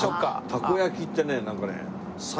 たこ焼きってねなんかね。